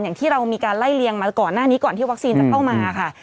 อย่างที่เรามีการไล่เลียงมาก่อนหน้านี้ก่อนที่วัคซีนจะเข้ามาค่ะ